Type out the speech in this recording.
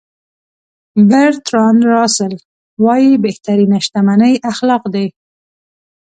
برتراند راسل وایي بهترینه شتمني اخلاق دي.